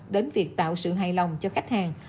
đến việc tạo sự hài lòng cho khách hàng